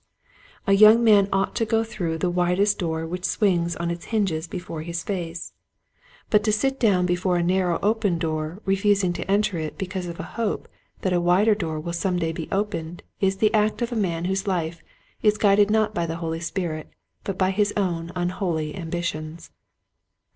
A young man ought to go through the widest door which swings on its hinges before his face. But 28 Quiet Hints to Growing Preachers. to sit down before a narrow open door re fusing to enter it because of a hope that a wider door will some day be opened is the act of a man whose life is guided not by the Holy Spirit but by his own unholy ambitions.